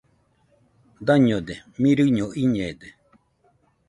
Dañode, mirɨño iñede.